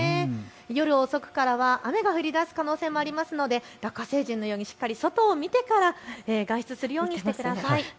夜遅くからは雨が降りだす可能性もありますのでラッカ星人のようにしっかり外を見てから外出するようにしてください。